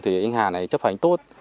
thì anh hà này chấp hành tốt